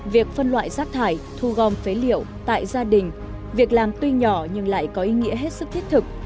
việc phân loại rác thải thu gom phế liệu tại gia đình việc làm tuy nhỏ nhưng lại có ý nghĩa hết sức thiết thực